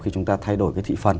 khi chúng ta thay đổi cái thị phần